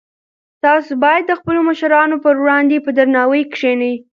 تاسي باید د خپلو مشرانو په وړاندې په درناوي کښېنئ.